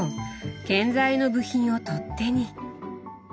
建材の部品を取っ手に。